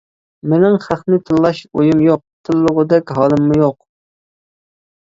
مېنىڭ خەقنى تىللاش ئويۇم يوق، تىللىغۇدەك ھالىممۇ يوق.